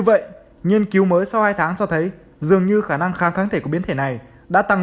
vậy nghiên cứu mới sau hai tháng cho thấy dường như khả năng kháng kháng thể của biến thể này đã tăng